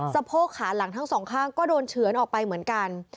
โพกขาหลังทั้งสองข้างก็โดนเฉือนออกไปเหมือนกัน